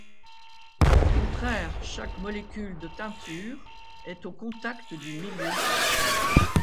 Au contraire, chaque molécule de teinture est au contact du milieu.